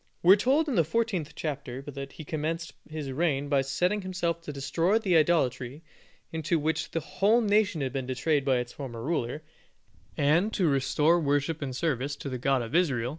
We are told in the fourteenth chapter that he commenced his reign by setting himself to destroy the idolatry into which the whole nation had been betrayed by its former ruler, and to restore the worship and service of the God of Israel.